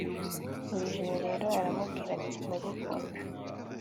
buri joro rero aramubwira ati ndagukunda